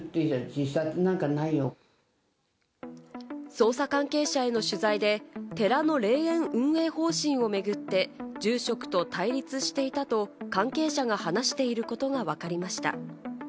捜査関係者への取材で、寺の霊園運営方針を巡って、住職と対立していたと、関係者が話していることがわかりました。